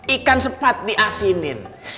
ikan sepat diasinin